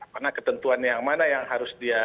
karena ketentuan yang mana yang harus dia